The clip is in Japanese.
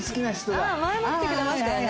前も来てくれましたよね。